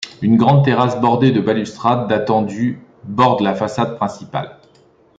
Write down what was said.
Une grande terrasse bordée de balustrades datant du borde la façade principale.